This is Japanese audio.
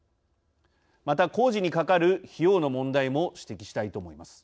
また工事にかかる費用の問題も指摘したいと思います。